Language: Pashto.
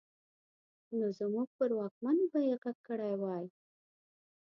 نو زموږ پر واکمنو به يې غږ کړی وای.